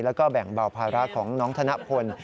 แล้วก็แบ่งเบาภาระของน้องธนพล